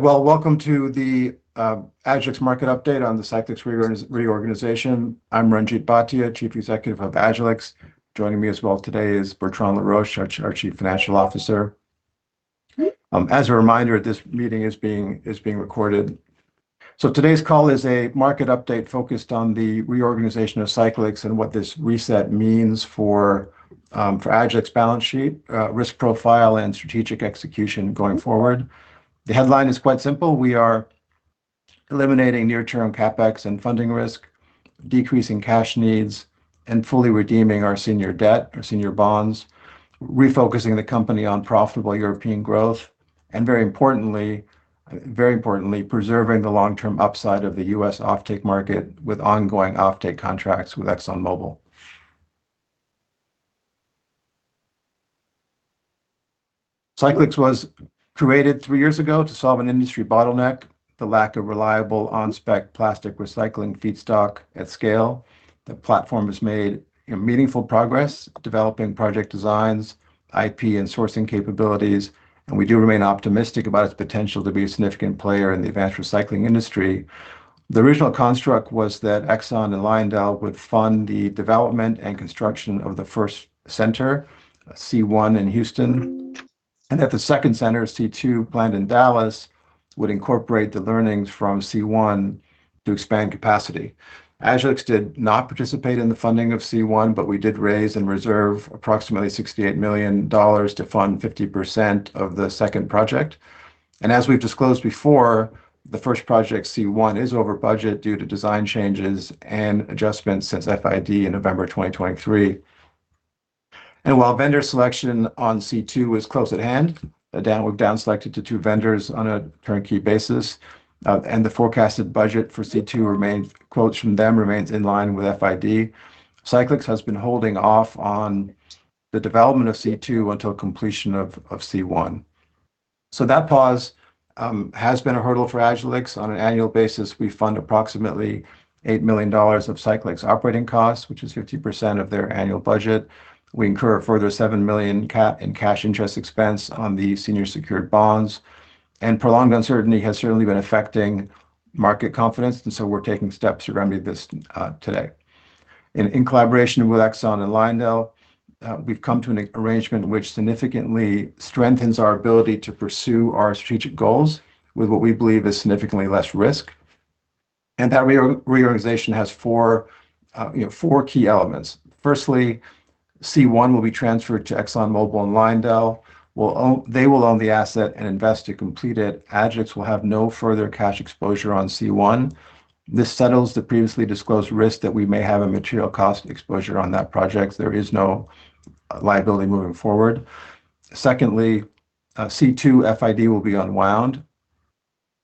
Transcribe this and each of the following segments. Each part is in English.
Well, welcome to the Agilyx Market Update on the Cyclyx Reorganization. I'm Ranjeet Bhatia, Chief Executive of Agilyx. Joining me as well today is Bertrand Laroche, our Chief Financial Officer. As a reminder, this meeting is being recorded. So today's call is a market update focused on the reorganization of Cyclyx and what this reset means for Agilyx balance sheet, risk profile, and strategic execution going forward. The headline is quite simple: we are eliminating near-term CapEx and funding risk, decreasing cash needs, and fully redeeming our senior debt, our senior bonds, refocusing the company on profitable European growth, and very importantly, preserving the long-term upside of the U.S. offtake market with ongoing offtake contracts with ExxonMobil. Cyclyx was created three years ago to solve an industry bottleneck: the lack of reliable on-spec plastic recycling feedstock at scale. The platform has made, you know, meaningful progress developing project designs, IP, and sourcing capabilities, and we do remain optimistic about its potential to be a significant player in the advanced recycling industry. The original construct was that Exxon and LyondellBasell would fund the development and construction of the first center, C1, in Houston, and that the second center, C2, planned in Dallas, would incorporate the learnings from C1 to expand capacity. Agilyx did not participate in the funding of C1, but we did raise and reserve approximately $68 million to fund 50% of the second project. As we've disclosed before, the first project, C1, is over budget due to design changes and adjustments since FID in November 2023. And while vendor selection on C2 was close at hand, now we've downselected to two vendors on a turnkey basis, and the forecasted budget for C2 remains, quotes from them, "remains in line with FID." Cyclyx has been holding off on the development of C2 until completion of C1. So that pause has been a hurdle for Agilyx. On an annual basis, we fund approximately $8 million of Cyclyx's operating costs, which is 50% of their annual budget. We incur a further $7 million cap in cash interest expense on the senior-secured bonds, and prolonged uncertainty has certainly been affecting market confidence, and so we're taking steps to remedy this, today. In collaboration with ExxonMobil and LyondellBasell, we've come to an arrangement which significantly strengthens our ability to pursue our strategic goals with what we believe is significantly less risk, and that reorganization has four, you know, four key elements. Firstly, C1 will be transferred to ExxonMobil and LyondellBasell. They will own the asset and invest to complete it. Agilyx will have no further cash exposure on C1. This settles the previously disclosed risk that we may have a material cost exposure on that project. There is no liability moving forward. Secondly, C2 FID will be unwound,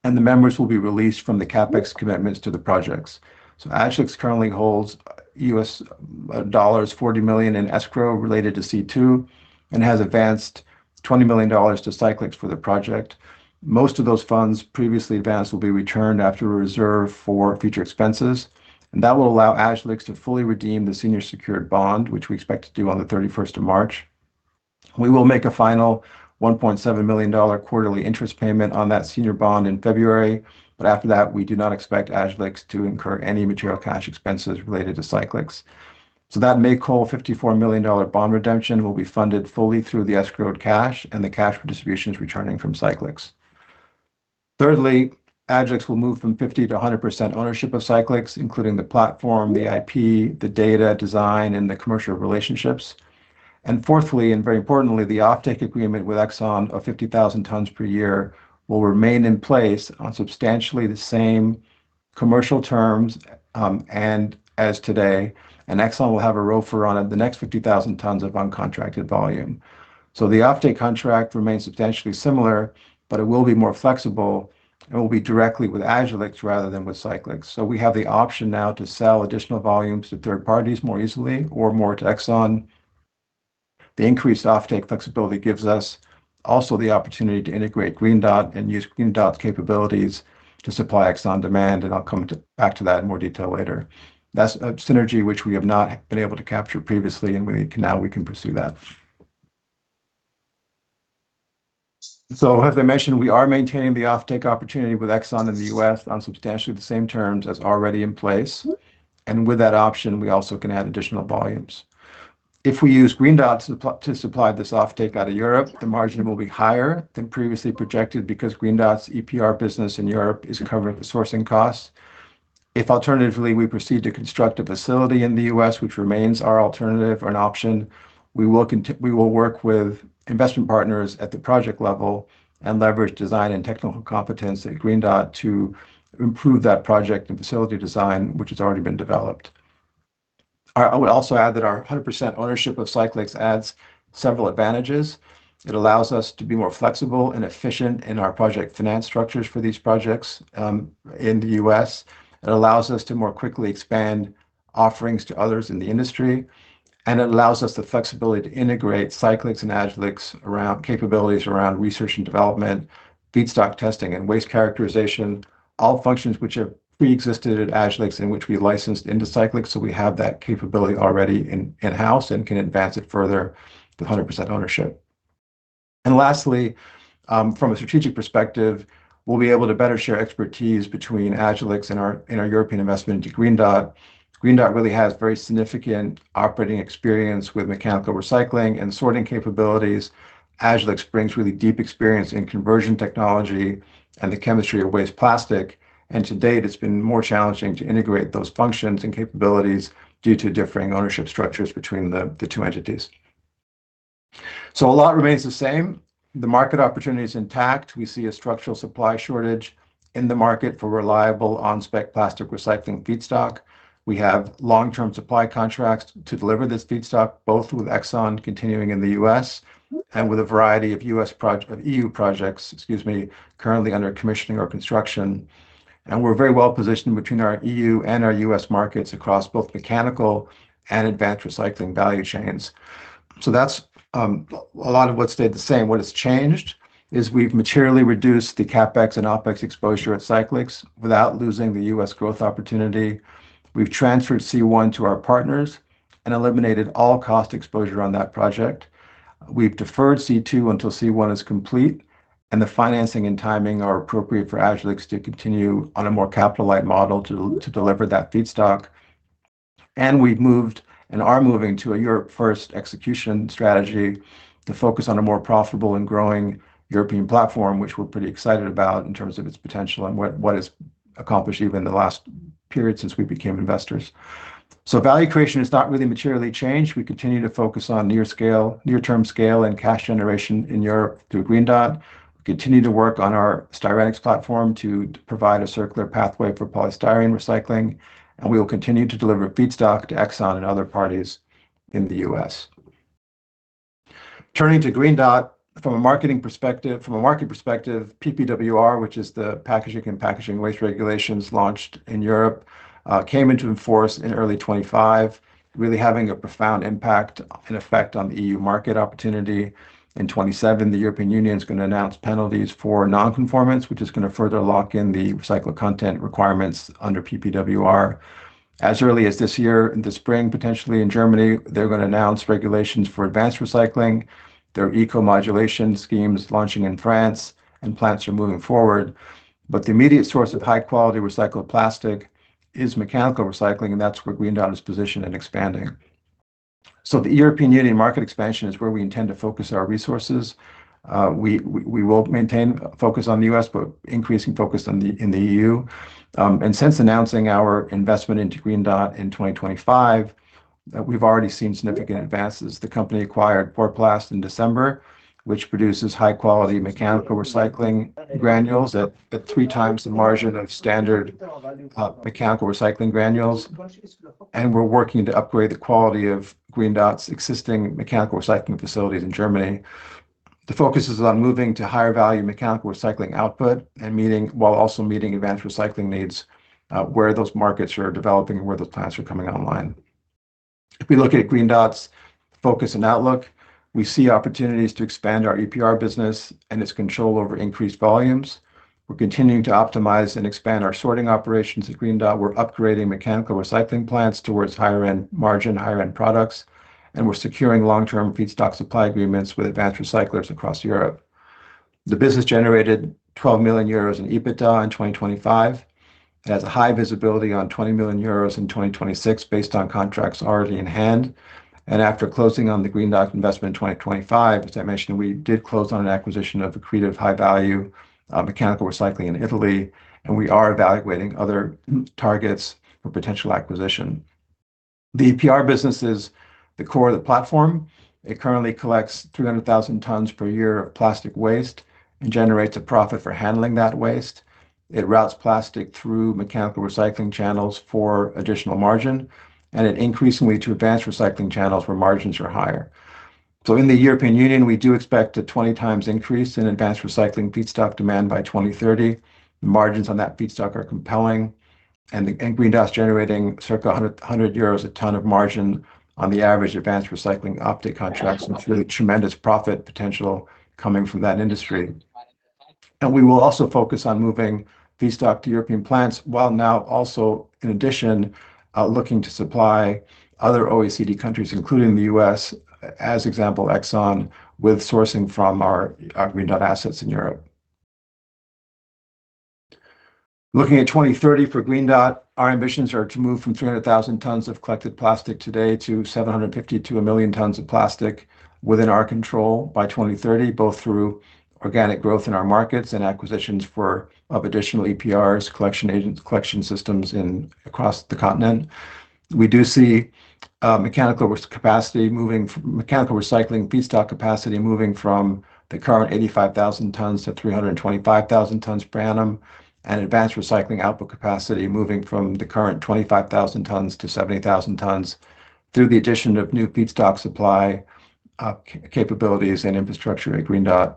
and the members will be released from the CapEx commitments to the projects. So Agilyx currently holds U.S. dollars $40 million in escrow related to C2 and has advanced $20 million to Cyclyx for the project. Most of those funds previously advanced will be returned after a reserve for future expenses, and that will allow Agilyx to fully redeem the senior-secured bond, which we expect to do on the 31st of March. We will make a final $1.7 million quarterly interest payment on that senior bond in February, but after that, we do not expect Agilyx to incur any material cash expenses related to Cyclyx. So that May call $54 million bond redemption will be funded fully through the escrowed cash and the cash redistributions returning from Cyclyx. Thirdly, Agilyx will move from 50% to 100% ownership of Cyclyx, including the platform, the IP, the data, design, and the commercial relationships. Fourthly, and very importantly, the offtake agreement with ExxonMobil of 50,000 tons per year will remain in place on substantially the same commercial terms, and as today, and ExxonMobil will have a ROFR on the next 50,000 tons of uncontracted volume. So the offtake contract remains substantially similar, but it will be more flexible, and it will be directly with Agilyx rather than with Cyclyx. So we have the option now to sell additional volumes to third parties more easily or more to ExxonMobil. The increased offtake flexibility gives us also the opportunity to integrate Green Dot and use Green Dot's capabilities to supply ExxonMobil demand, and I'll come back to that in more detail later. That's a synergy which we have not been able to capture previously, and we can now pursue that. So as I mentioned, we are maintaining the offtake opportunity with ExxonMobil in the U.S. on substantially the same terms as already in place, and with that option, we also can add additional volumes. If we use GreenDot to supply this offtake out of Europe, the margin will be higher than previously projected because GreenDot's EPR business in Europe is covering the sourcing costs. If alternatively we proceed to construct a facility in the U.S., which remains our alternative or an option, we will work with investment partners at the project level and leverage design and technical competence at GreenDot to improve that project and facility design, which has already been developed. I would also add that our 100% ownership of Cyclyx adds several advantages. It allows us to be more flexible and efficient in our project finance structures for these projects, in the U.S. It allows us to more quickly expand offerings to others in the industry, and it allows us the flexibility to integrate Cyclyx and Agilyx around capabilities around research and development, feedstock testing, and waste characterization, all functions which have pre-existed at Agilyx and which we licensed into Cyclyx. So we have that capability already in-house and can advance it further with 100% ownership. And lastly, from a strategic perspective, we'll be able to better share expertise between Agilyx and our European investment into GreenDot. GreenDot really has very significant operating experience with mechanical recycling and sorting capabilities. Agilyx brings really deep experience in conversion technology and the chemistry of waste plastic, and to date, it's been more challenging to integrate those functions and capabilities due to differing ownership structures between the two entities. So a lot remains the same. The market opportunity is intact. We see a structural supply shortage in the market for reliable on-spec plastic recycling feedstock. We have long-term supply contracts to deliver this feedstock, both with Exxon continuing in the U.S. and with a variety of U.S. projects or EU projects, excuse me, currently under commissioning or construction. And we're very well positioned between our EU and our U.S. markets across both mechanical and advanced recycling value chains. So that's a lot of what stayed the same. What has changed is we've materially reduced the CapEx and OpEx exposure at Cyclyx without losing the U.S. growth opportunity. We've transferred C1 to our partners and eliminated all cost exposure on that project. We've deferred C2 until C1 is complete, and the financing and timing are appropriate for Agilyx to continue on a more capital-light model to deliver that feedstock. We've moved and are moving to a Europe-first execution strategy to focus on a more profitable and growing European platform, which we're pretty excited about in terms of its potential and what has accomplished even in the last period since we became investors. Value creation has not really materially changed. We continue to focus on near-scale, near-term scale and cash generation in Europe through GreenDot. We continue to work on our styrenics platform to provide a circular pathway for polystyrene recycling, and we will continue to deliver feedstock to Exxon and other parties in the U.S. Turning to GreenDot from a marketing perspective, from a market perspective, PPWR, which is the Packaging and Packaging Waste Regulations launched in Europe, came into force in early 2025, really having a profound impact and effect on the EU market opportunity. In 2027, the European Union is going to announce penalties for non-conformance, which is going to further lock in the recycled content requirements under PPWR. As early as this year in the spring, potentially in Germany, they're going to announce regulations for advanced recycling. There are eco-modulation schemes launching in France, and plants are moving forward. But the immediate source of high-quality recycled plastic is mechanical recycling, and that's where GreenDot is positioned and expanding. So the European Union market expansion is where we intend to focus our resources. We will maintain focus on the U.S., but increasing focus on the EU. Since announcing our investment into GreenDot in 2025, we've already seen significant advances. The company acquired Forplast in December, which produces high-quality mechanical recycling granules at at three times the margin of standard mechanical recycling granules. We're working to upgrade the quality of GreenDot's existing mechanical recycling facilities in Germany. The focus is on moving to higher-value mechanical recycling output and meeting while also meeting advanced recycling needs, where those markets are developing and where those plants are coming online. If we look at GreenDot's focus and outlook, we see opportunities to expand our EPR business and its control over increased volumes. We're continuing to optimize and expand our sorting operations at GreenDot. We're upgrading mechanical recycling plants towards higher-end margin, higher-end products, and we're securing long-term feedstock supply agreements with advanced recyclers across Europe. The business generated 12 million euros in EBITDA in 2025. It has a high visibility on 20 million euros in 2026 based on contracts already in hand. After closing on the GreenDot investment in 2025, as I mentioned, we did close on an acquisition of a key to high-value mechanical recycling in Italy, and we are evaluating other targets for potential acquisition. The EPR business is the core of the platform. It currently collects 300,000 tons per year of plastic waste and generates a profit for handling that waste. It routes plastic through mechanical recycling channels for additional margin, and it increasingly to advanced recycling channels where margins are higher. In the European Union, we do expect a 20x increase in advanced recycling feedstock demand by 2030. The margins on that feedstock are compelling, and GreenDot's generating circa 100 euros a ton of margin on the average advanced recycling offtake contracts and truly tremendous profit potential coming from that industry. And we will also focus on moving feedstock to European plants while now also, in addition, looking to supply other OECD countries, including the U.S., as example Exxon, with sourcing from our GreenDot assets in Europe. Looking at 2030 for GreenDot, our ambitions are to move from 300,000 tons of collected plastic today to 752 million tons of plastic within our control by 2030, both through organic growth in our markets and acquisitions of additional EPRs, collection agents, collection systems across the continent. We do see mechanical capacity moving from mechanical recycling feedstock capacity moving from the current 85,000 tons to 325,000 tons per annum, and advanced recycling output capacity moving from the current 25,000 tons to 70,000 tons through the addition of new feedstock supply, capabilities and infrastructure at GreenDot.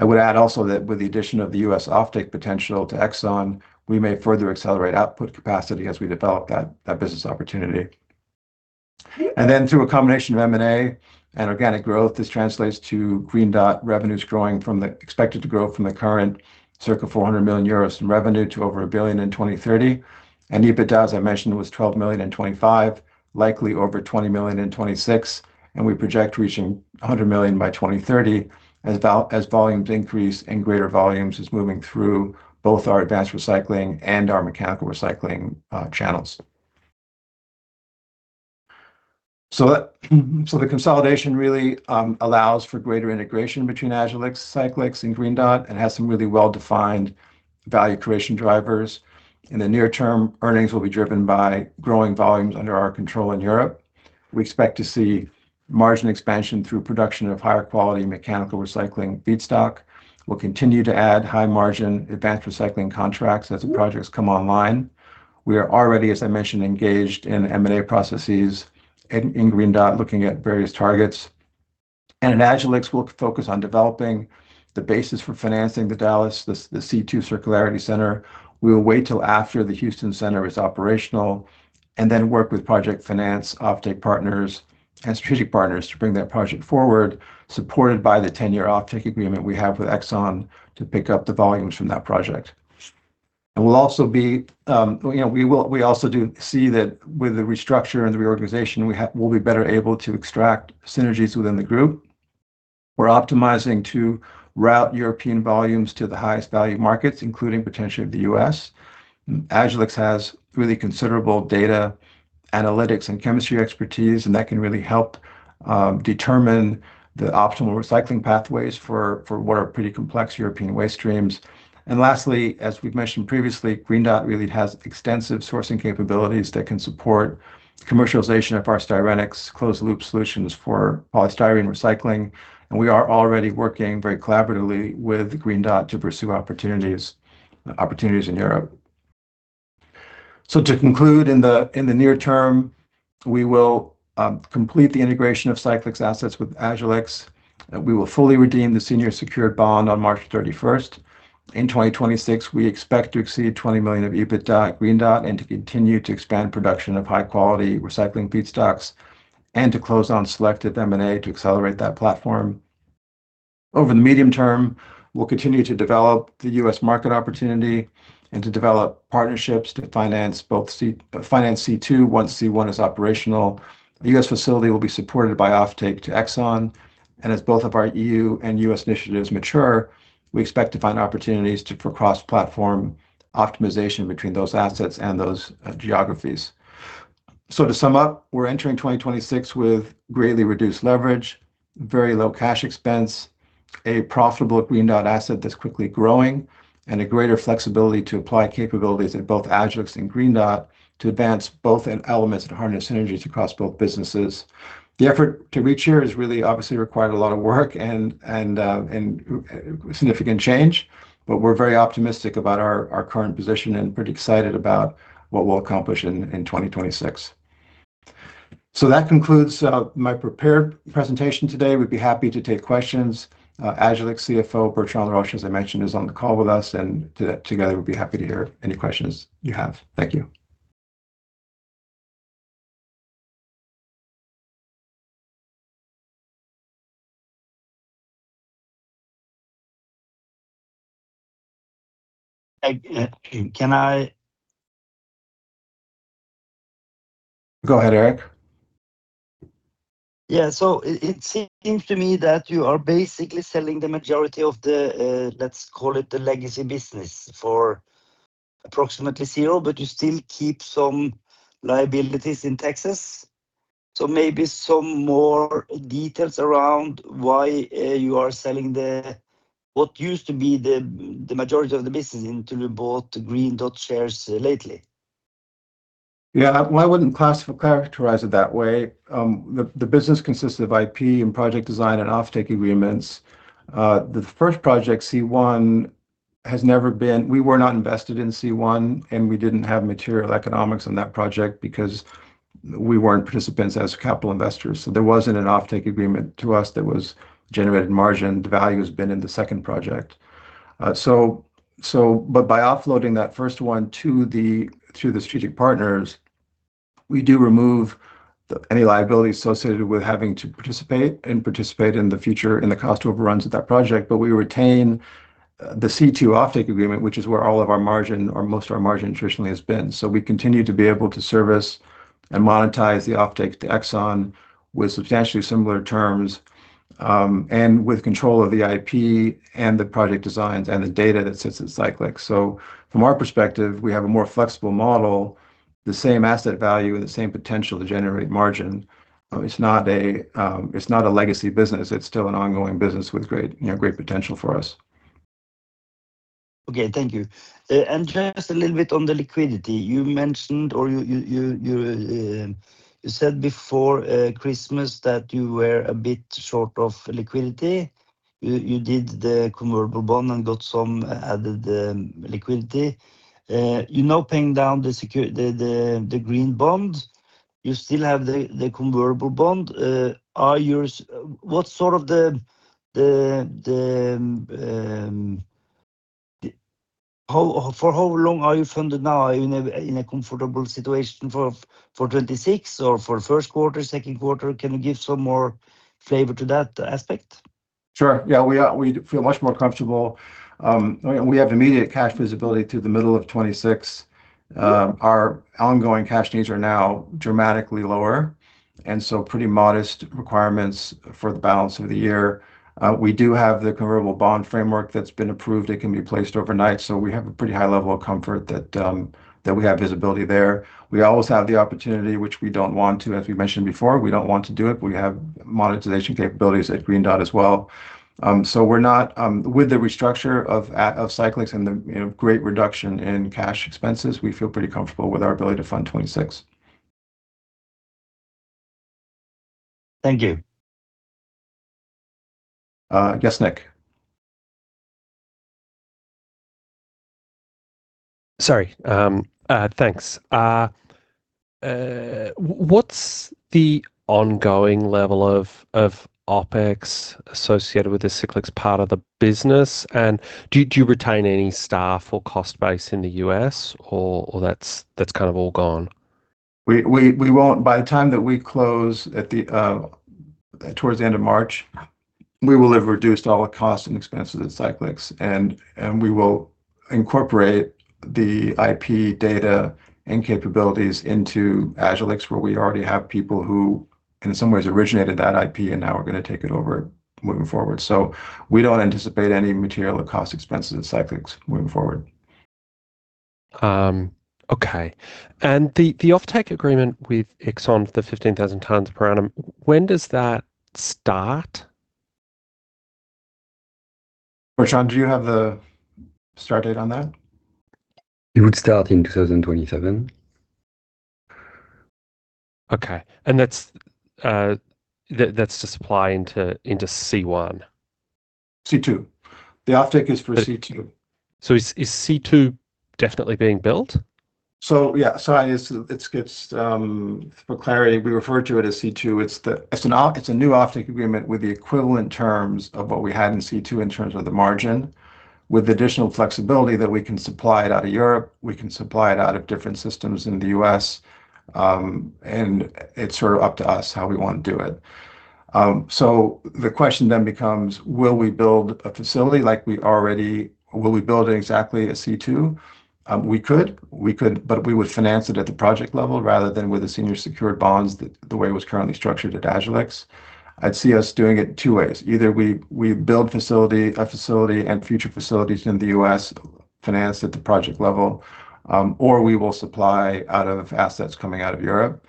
I would add also that with the addition of the U.S. offtake potential to Exxon, we may further accelerate output capacity as we develop that that business opportunity. And then through a combination of M&A and organic growth, this translates to GreenDot revenues growing from the expected to grow from the current circa 400 million euros in revenue to over 1 billion in 2030. EBITDA, as I mentioned, was 12 million in 2025, likely over 20 million in 2026, and we project reaching 100 million by 2030 as volumes increase and greater volumes is moving through both our advanced recycling and our mechanical recycling channels. So that the consolidation really allows for greater integration between Agilyx, Cyclyx, and GreenDot and has some really well-defined value creation drivers. In the near term, earnings will be driven by growing volumes under our control in Europe. We expect to see margin expansion through production of higher-quality mechanical recycling feedstock. We'll continue to add high-margin advanced recycling contracts as the projects come online. We are already, as I mentioned, engaged in M&A processes in GreenDot, looking at various targets. And at Agilyx, we'll focus on developing the basis for financing the Dallas, the C2 Circularity Center. We will wait till after the Houston Center is operational and then work with project finance, offtake partners, and strategic partners to bring that project forward, supported by the 10-year offtake agreement we have with Exxon to pick up the volumes from that project. And we'll also be, you know, we also do see that with the restructure and the reorganization, we'll be better able to extract synergies within the group. We're optimizing to route European volumes to the highest value markets, including potentially the U.S. Agilyx has really considerable data analytics and chemistry expertise, and that can really help determine the optimal recycling pathways for what are pretty complex European waste streams. And lastly, as we've mentioned previously, Green Dot really has extensive sourcing capabilities that can support commercialization of our styrenyx, closed-loop solutions for polystyrene recycling. We are already working very collaboratively with GreenDot to pursue opportunities, opportunities in Europe. So to conclude, in the near term, we will complete the integration of Cyclyx assets with Agilyx. We will fully redeem the senior secured bond on March 31st. In 2026, we expect to exceed 20 million of EBITDA at GreenDot and to continue to expand production of high-quality recycling feedstocks and to close on selected M&A to accelerate that platform. Over the medium term, we'll continue to develop the U.S. market opportunity and to develop partnerships to finance both C2 once C1 is operational. The U.S. facility will be supported by offtake to Exxon. And as both of our EU and U.S. initiatives mature, we expect to find opportunities for cross-platform optimization between those assets and those geographies. So to sum up, we're entering 2026 with greatly reduced leverage, very low cash expense, a profitable GreenDot asset that's quickly growing, and a greater flexibility to apply capabilities at both Agilyx and GreenDot to advance both elements and harness synergies across both businesses. The effort to reach here has really obviously required a lot of work and significant change, but we're very optimistic about our current position and pretty excited about what we'll accomplish in 2026. So that concludes my prepared presentation today. We'd be happy to take questions. Agilyx CFO Bertrand Laroche, as I mentioned, is on the call with us, and together we'd be happy to hear any questions you have. Thank you. Can I? Go ahead, Eric. Yeah. So it seems to me that you are basically selling the majority of the, let's call it, the legacy business for approximately zero, but you still keep some liabilities in Texas. So maybe some more details around why you are selling the what used to be the majority of the business until you bought GreenDot shares lately. Yeah. Why wouldn't we characterize it that way? The business consists of IP and project design and offtake agreements. The first project, C1, has never been we were not invested in C1, and we didn't have material economics on that project because we weren't participants as capital investors. So there wasn't an offtake agreement to us that was generated margin. The value has been in the second project. So but by offloading that first one to the through the strategic partners, we do remove any liability associated with having to participate and participate in the cost overruns of that project. But we retain the C2 offtake agreement, which is where all of our margin or most of our margin traditionally has been. So we continue to be able to service and monetize the offtake to Exxon with substantially similar terms and with control of the IP and the project designs and the data that sits at Cyclyx. So from our perspective, we have a more flexible model, the same asset value and the same potential to generate margin. It's not a legacy business. It's still an ongoing business with great, you know, great potential for us. Thank you. Just a little bit on the liquidity, you mentioned or you said before Christmas that you were a bit short of liquidity. You did the convertible bond and got some added liquidity. You're now paying down the secured, the green bond. You still have the convertible bond. Are yours, what sort of, how, for how long are you funded now? Are you in a comfortable situation for 2026 or for first quarter, second quarter? Can you give some more flavor to that aspect? Sure. Yeah. We feel much more comfortable. We have immediate cash visibility through the middle of 2026. Our ongoing cash needs are now dramatically lower and so pretty modest requirements for the balance of the year. We do have the convertible bond framework that's been approved. It can be placed overnight. So we have a pretty high level of comfort that we have visibility there. We always have the opportunity, which we don't want to, as we mentioned before, we don't want to do it. We have monetization capabilities at GreenDot as well. So we're not with the restructure of Cyclyx and the, you know, great reduction in cash expenses, we feel pretty comfortable with our ability to fund 2026. Thank you. Yes, Nick. Sorry. Thanks. What's the ongoing level of OpEx associated with the Cyclyx part of the business? And do you retain any staff or cost base in the U.S., or that's kind of all gone? We won't. By the time that we close towards the end of March, we will have reduced all the costs and expenses at Cyclyx, and we will incorporate the IP data and capabilities into Agilyx, where we already have people who in some ways originated that IP, and now we're going to take it over moving forward. So we don't anticipate any material cost expenses at Cyclyx moving forward. Okay. And the offtake agreement with Exxon for the 15,000 tons per annum, when does that start? Bertrand, do you have the start date on that? It would start in 2027. Okay. And that's to supply into C1? C2. The offtake is for C2. So is C2 definitely being built? So yeah. Sorry. It's, it's just for clarity, we refer to it as C2. It's a new offtake agreement with the equivalent terms of what we had in C2 in terms of the margin, with the additional flexibility that we can supply it out of Europe. We can supply it out of different systems in the U.S., and it's sort of up to us how we want to do it. So the question then becomes, will we build a facility? Will we build it exactly at C2? We could. We could, but we would finance it at the project level rather than with the senior secured bonds the way it was currently structured at Agilyx. I'd see us doing it two ways. Either we build a facility and future facilities in the U.S., finance at the project level, or we will supply out of assets coming out of Europe.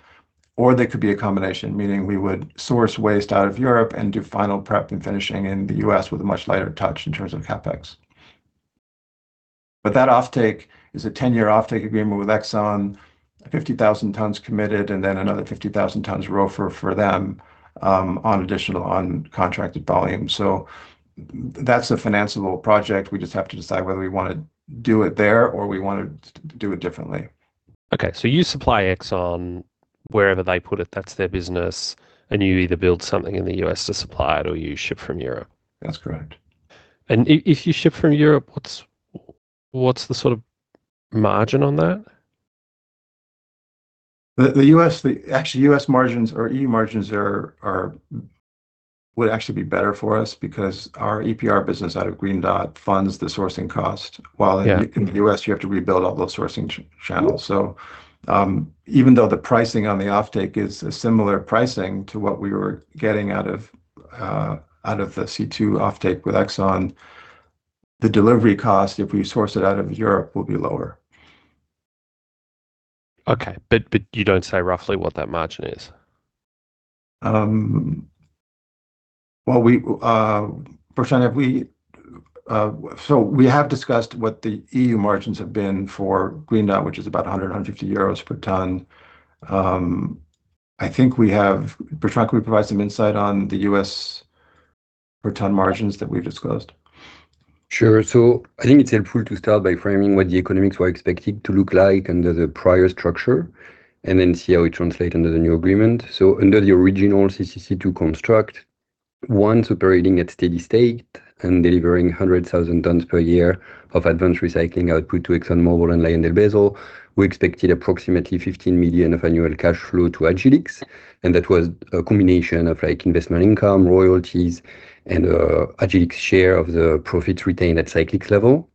Or there could be a combination, meaning we would source waste out of Europe and do final prep and finishing in the U.S. with a much lighter touch in terms of CapEx. But that offtake is a 10-year offtake agreement with Exxon, 50,000 tons committed, and then another 50,000 tons ROFR for them on additional uncontracted volume. So that's a financiable project. We just have to decide whether we want to do it there or we want to do it differently. Okay. So you supply Exxon wherever they put it. That's their business. And you either build something in the U.S. to supply it or you ship from Europe. That's correct. If you ship from Europe, what's the sort of margin on that? In the U.S., actually, U.S. margins or EU margins would actually be better for us because our EPR business out of GreenDot funds the sourcing cost, while in the U.S., you have to rebuild all those sourcing channels. So even though the pricing on the offtake is a similar pricing to what we were getting out of the C2 offtake with Exxon, the delivery cost, if we source it out of Europe, will be lower. Okay. But you don't say roughly what that margin is? Well, Bertrand, we have discussed what the EU margins have been for GreenDot, which is about 100-150 euros per ton. I think we have, Bertrand, can we provide some insight on the U.S. per ton margins that we've disclosed? Sure. So I think it's helpful to start by framing what the economics were expected to look like under the prior structure and then see how it translates under the new agreement. Under the original C2 construct, once operating at steady state and delivering 100,000 tons per year of advanced recycling output to ExxonMobil and LyondellBasell, we expected approximately 15 million of annual cash flow to Agilyx. And that was a combination of, like, investment income, royalties, and Agilyx share of the profits retained at Cyclyx level.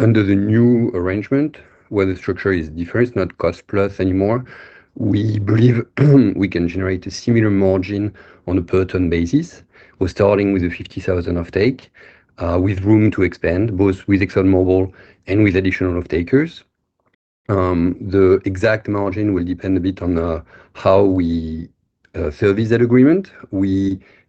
Under the new arrangement, where the structure is different, it's not cost-plus anymore, we believe we can generate a similar margin on a per-ton basis. We're starting with a 50,000 offtake with room to expand both with ExxonMobil and with additional offtakers. The exact margin will depend a bit on how we service that agreement. Well,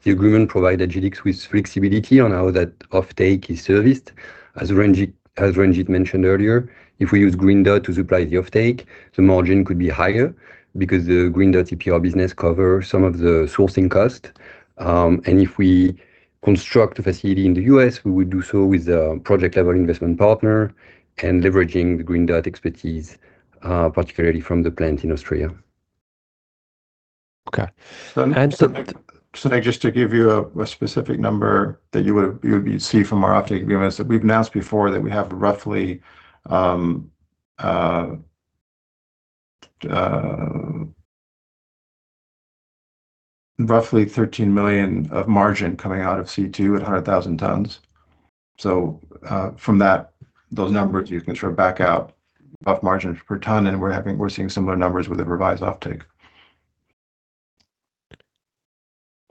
the agreement provides Agilyx with flexibility on how that offtake is serviced. As Ranjeet mentioned earlier, if we use GreenDot to supply the offtake, the margin could be higher because the GreenDot EPR business covers some of the sourcing cost. And if we construct a facility in the U.S., we would do so with a project-level investment partner and leveraging the GreenDot expertise, particularly from the plant in Austria. Okay. So Nick, just to give you a specific number that you would see from our offtake agreements, we've announced before that we have roughly EUR 13 million of margin coming out of C2 at 100,000 tons. So from that, those numbers, you can sort of back out rough margins per ton, and we're seeing similar numbers with a revised offtake.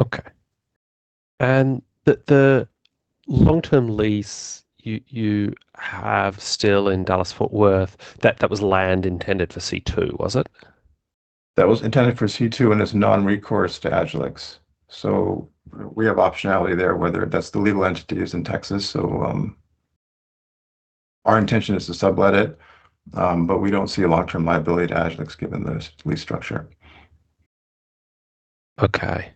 Okay. The long-term lease you have still in Dallas-Fort Worth, that was land intended for C2, was it? That was intended for C2 and is non-recourse to Agilyx. So we have optionality there, whether that's the legal entity is in Texas. So our intention is to sublet it, but we don't see a long-term liability to Agilyx given the lease structure. Okay.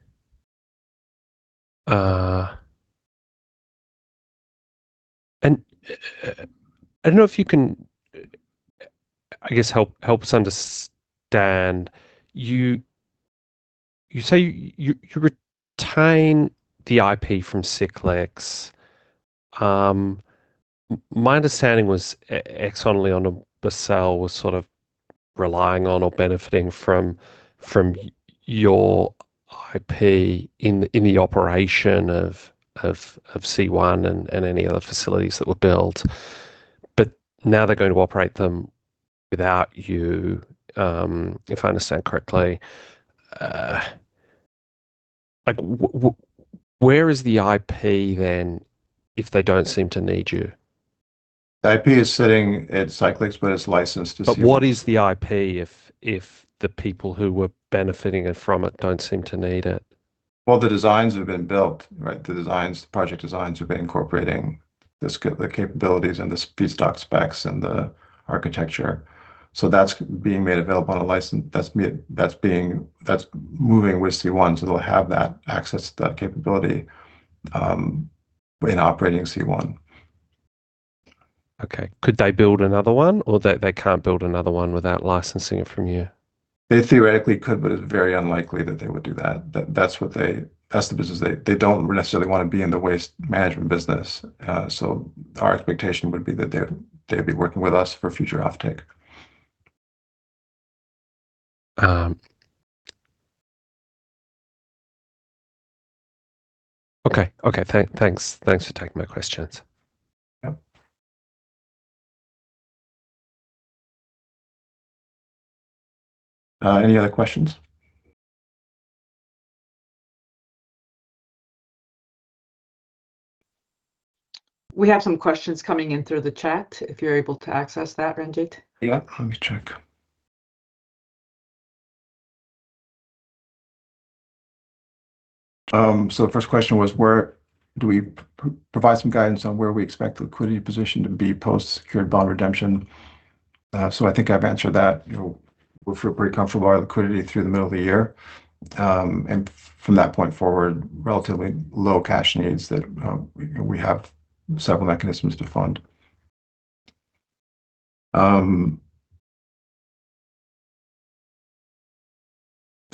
I don't know if you can, I guess, help us understand. You say you retain the IP from Cyclyx. My understanding was Exxon and LyondellBasell was sort of relying on or benefiting from your IP in the operation of C1 and any other facilities that were built. But now they're going to operate them without you, if I understand correctly. Like, where is the IP then if they don't seem to need you? The IP is sitting at Cyclyx, but it's licensed to C2. What is the IP if the people who were benefiting from it don't seem to need it? Well, the designs have been built, right? The designs, the project designs have been incorporating the capabilities and the feedstock specs and the architecture. So that's being made available on a license that's moving with C1. So they'll have that access to that capability in operating C1. Okay. Could they build another one, or they can't build another one without licensing it from you? They theoretically could, but it's very unlikely that they would do that. That's the business. They don't necessarily want to be in the waste management business. So our expectation would be that they'd be working with us for future offtake. Okay. Okay. Thanks. Thanks for taking my questions. Yeah. Any other questions? We have some questions coming in through the chat if you're able to access that, Ranjeet. Yeah. Let me check. So the first question was, where do we provide some guidance on where we expect the liquidity position to be post-secured bond redemption? So I think I've answered that. You know, we're feeling pretty comfortable with our liquidity through the middle of the year. And from that point forward, relatively low cash needs that we have several mechanisms to fund.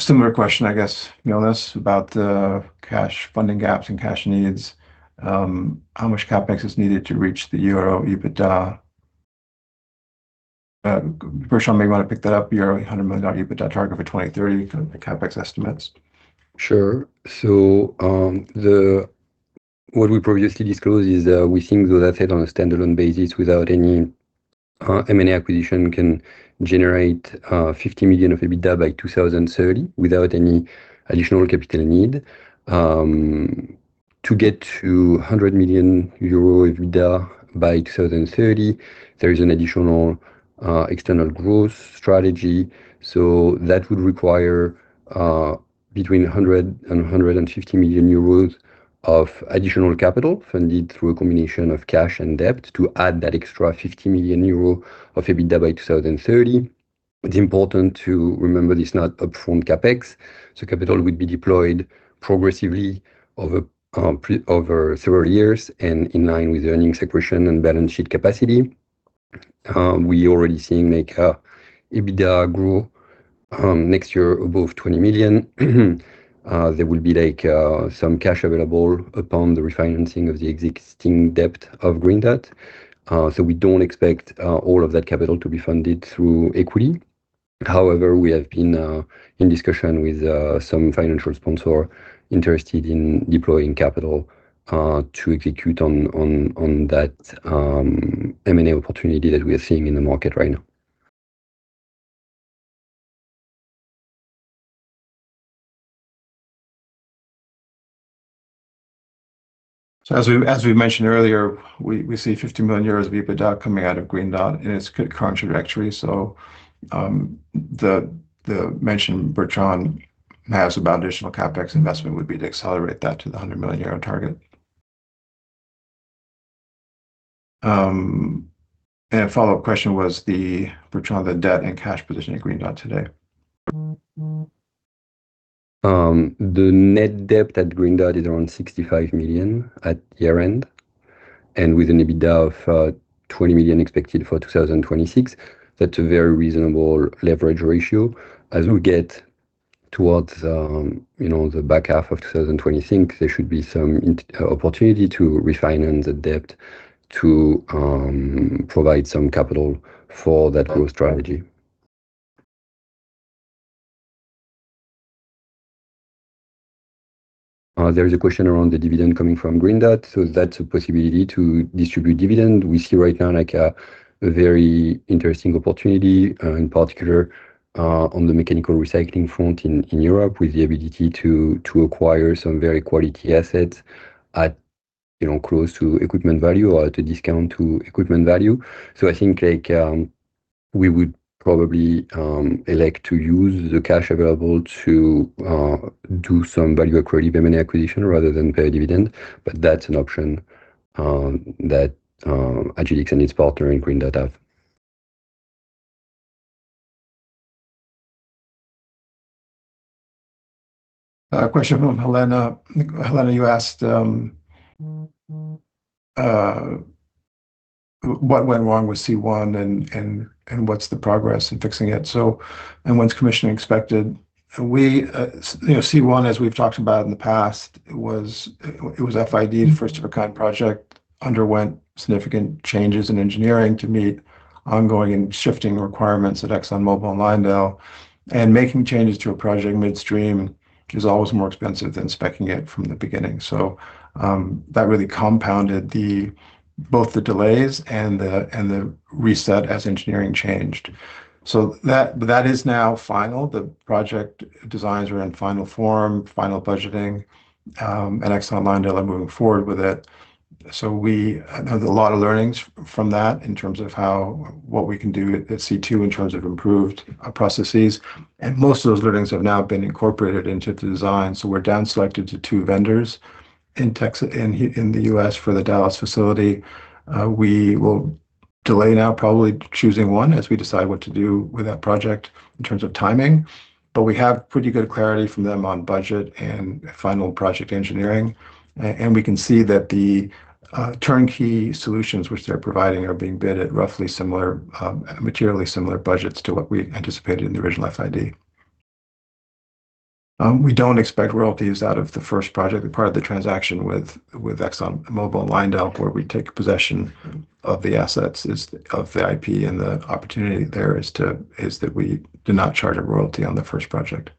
Similar question, I guess, Jonas, about the cash funding gaps and cash needs. How much CapEx is needed to reach the EUR 100 million EBITDA? Bertrand, maybe you want to pick that up. Euro 100 million EBITDA target for 2030, the CapEx estimates. Sure. So what we previously disclosed is we think those assets on a standalone basis without any M&A acquisition can generate 50 million of EBITDA by 2030 without any additional capital need. To get to 100 million euro EBITDA by 2030, there is an additional external growth strategy. So that would require between 100 million and 150 million euros of additional capital funded through a combination of cash and debt to add that extra 50 million euro of EBITDA by 2030. It's important to remember this is not upfront CapEx. So capital would be deployed progressively over several years and in line with earnings accretion and balance sheet capacity. We're already seeing EBITDA grow next year above 20 million. There will be, like, some cash available upon the refinancing of the existing debt of GreenDot. So we don't expect all of that capital to be funded through equity. However, we have been in discussion with some financial sponsor interested in deploying capital to execute on that M&A opportunity that we are seeing in the market right now. So as we mentioned earlier, we see 50 million euros EBITDA coming out of GreenDot in its current trajectory. So the mention Bertrand has about additional CapEX investment would be to accelerate that to the 100 million euro target. And a follow-up question was to Bertrand, the debt and cash position at GreenDot today? The net debt at GreenDot is around 65 million at year-end, and with an EBITDA of 20 million expected for 2026, that's a very reasonable leverage ratio. As we get towards, you know, the back half of 2026, there should be some opportunity to refinance the debt to provide some capital for that growth strategy. There is a question around the dividend coming from GreenDot. So that's a possibility to distribute dividend. We see right now, like, a very interesting opportunity, in particular on the mechanical recycling front in Europe, with the ability to acquire some very quality assets at, you know, close to equipment value or at a discount to equipment value. So I think, like, we would probably elect to use the cash available to do some value-accretive M&A acquisition rather than pay a dividend. But that's an option that Agilyx and its partner in GreenDot have. Question from Helena. Helena, you asked what went wrong with C1 and what's the progress in fixing it. So, when's commissioning expected? We, you know, C1, as we've talked about in the past, was FID, the first-of-a-kind project, underwent significant changes in engineering to meet ongoing and shifting requirements at ExxonMobil and LyondellBasell. And making changes to a project midstream is always more expensive than speccing it from the beginning. So that really compounded both the delays and the reset as engineering changed. So that is now final. The project designs are in final form, final budgeting, and ExxonMobil and LyondellBasell are moving forward with it. So there's a lot of learnings from that in terms of what we can do at C2 in terms of improved processes. And most of those learnings have now been incorporated into the design. So we're down selected to two vendors in Texas in the U.S. for the Dallas facility. We will delay now, probably choosing one as we decide what to do with that project in terms of timing. But we have pretty good clarity from them on budget and final project engineering. And we can see that the turnkey solutions which they're providing are being bid at roughly similar, materially similar budgets to what we anticipated in the original FID. We don't expect royalties out of the first project. Part of the transaction with ExxonMobil and LyondellBasell, where we take possession of the assets is of the IP. And the opportunity there is that we do not charge a royalty on the first project.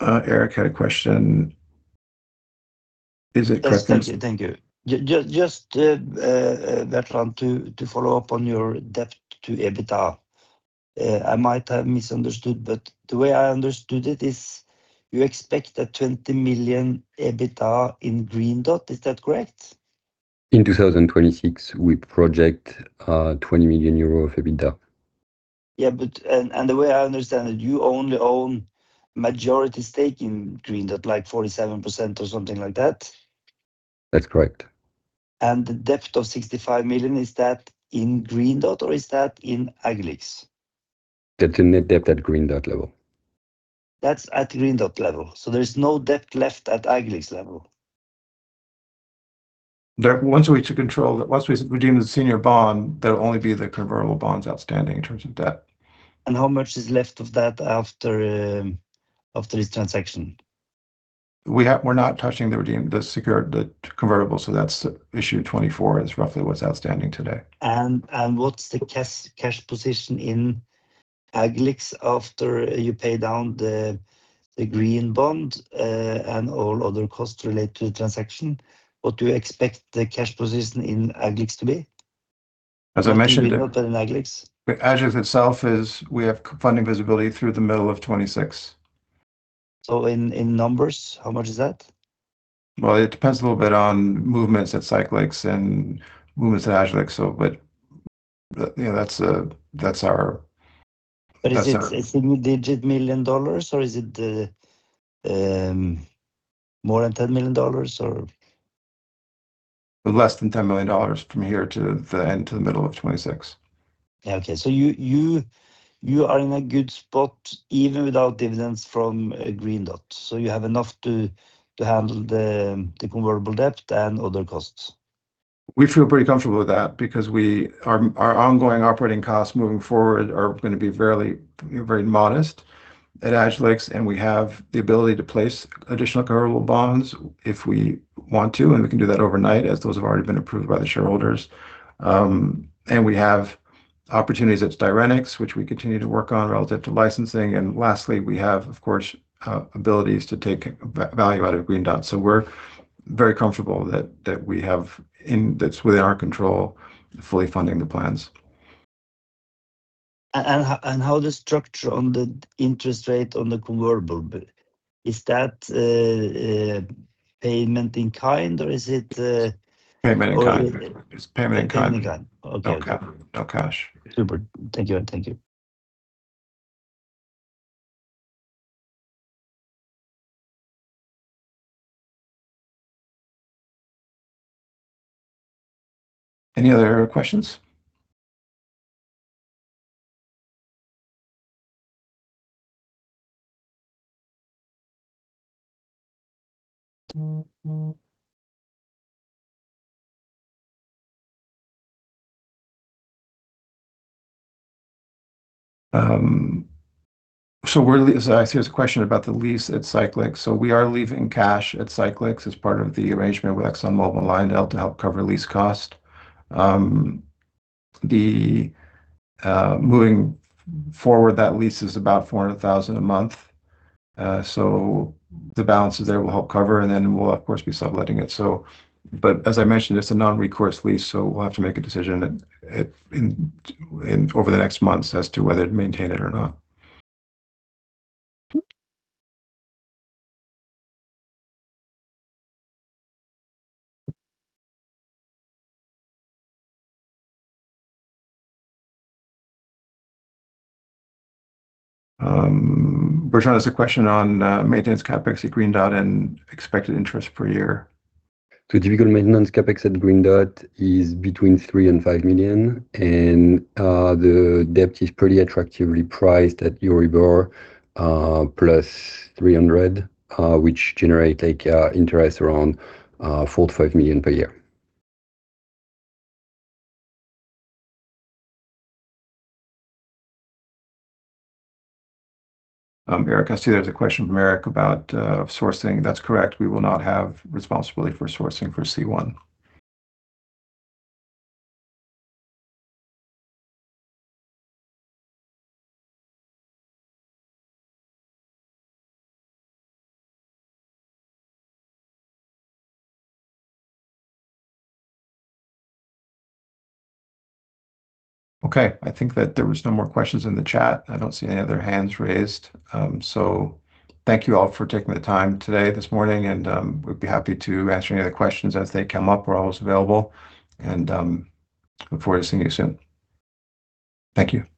Eric had a question. Is it correct? Yes. Thank you. Just, Bertrand, to follow up on your debt to EBITDA. I might have misunderstood, but the way I understood it is you expect a 20 million EBITDA in GreenDot; is that correct? In 2026, we project 20 million euro of EBITDA. Yeah. But the way I understand it, you only own majority stake in GreenDot, like 47% or something like that? That's correct. The debt of 65 million, is that in GreenDot, or is that in Agilyx? That's the net debt at GreenDot level. That's at GreenDot level. So there's no debt left at Agilyx level? Once we took control once we redeemed the senior bond, there will only be the convertible bonds outstanding in terms of debt. How much is left of that after this transaction? We're not touching the redeemed, the senior secured, the convertible. So that's issue 24 is roughly what's outstanding today. What's the cash position in Agilyx after you pay down the green bond and all other costs related to the transaction? What do you expect the cash position in Agilyx to be? As I mentioned. Agilyx? Agilyx itself, we have funding visibility through the middle of 2026. In numbers, how much is that? Well, it depends a little bit on movements at Cyclyx and movements at Agilyx. So but, you know, that's our that's our. But is it a nine-digit million dollars, or is it more than $10 million, or? Less than $10 million from here to the end to the middle of 2026. Yeah. Okay. So you are in a good spot even without dividends from GreenDot. So you have enough to handle the convertible debt and other costs? We feel pretty comfortable with that because our ongoing operating costs moving forward are going to be fairly, you know, very modest at Agilyx. And we have the ability to place additional convertible bonds if we want to. And we can do that overnight as those have already been approved by the shareholders. And we have opportunities at Styrenyx, which we continue to work on relative to licensing. And lastly, we have, of course, abilities to take value out of GreenDot. So we're very comfortable that we have in that's within our control fully funding the plans. How the structure on the interest rate on the convertible, is that payment in kind, or is it? Payment in kind. It's payment in kind. Payment in kind. Okay. No cash. No cash. Super. Thank you. Thank you. Any other questions? So I see there's a question about the lease at Cyclyx. So we are leaving cash at Cyclyx as part of the arrangement with ExxonMobil and LyondellBasell to help cover lease cost. Then moving forward, that lease is about 400,000 a month. So the balances there will help cover. And then we'll, of course, be subletting it. So but as I mentioned, it's a non-recourse lease. So we'll have to make a decision over the next months as to whether to maintain it or not. Bertrand, there's a question on maintenance CapEx at GreenDot and expected interest per year. Typical maintenance CapEx at GreenDot is between 3 million-5 million. The debt is pretty attractively priced at Euribor plus 300, which generate, like, interest around 4 million-5 million per year. Eric asked. You, there's a question from Eric about sourcing. That's correct. We will not have responsibility for sourcing for C1. Okay. I think that there were no more questions in the chat. I don't see any other hands raised. So thank you all for taking the time today, this morning. And we'd be happy to answer any other questions as they come up. We're always available. And look forward to seeing you soon. Thank you. Thank you.